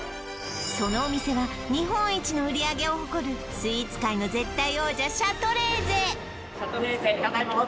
そのお店は日本一の売上を誇るスイーツ界の絶対王者シャトレーゼ